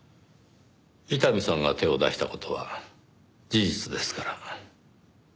伊丹さんが手を出した事は事実ですから。